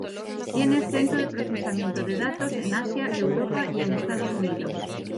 Tiene Centro de Procesamiento de Datos, en Asia, Europa y en Estados Unidos.